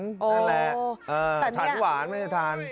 นั่นแหละฉันหวานไม่ใช่ทาน